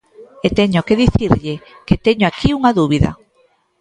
E teño que dicirlle que teño aquí unha dúbida.